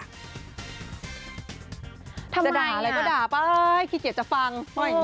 จะด่าอะไรก็ด่าไปขี้เกียจจะฟัง